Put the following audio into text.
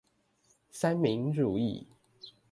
三民主義